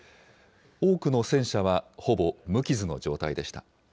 多くの戦車はほぼ無傷の状態でした。